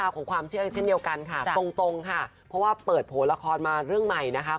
ของความเชื่อเช่นเดียวกันค่ะตรงค่ะเพราะว่าเปิดโผล่ละครมาเรื่องใหม่นะคะ